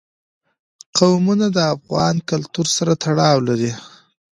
قومونه د افغان کلتور سره تړاو لري.